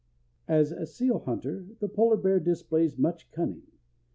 As seal hunter the polar bear displays much cunning.